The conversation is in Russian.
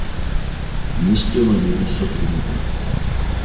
Низкая мобильность сотрудников